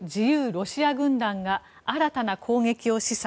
ロシア軍団が新たな攻撃を示唆。